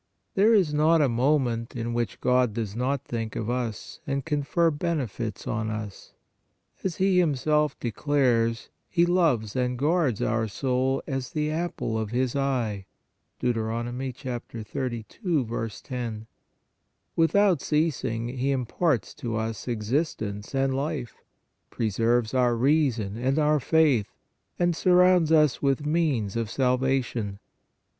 There is not a moment in which God does not think of us and confer benefits on us. As He Himself declares, He loves and guards our soul as the apple of His eye (Deut. 32. 10). Without ceasing He imparts to us existence and life, preserves our rea son and our faith, and surrounds us with means of salvation.